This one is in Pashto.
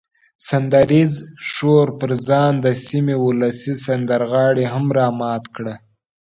سندریز شور پر ځان د سیمې ولسي سندرغاړي هم را مات کړه.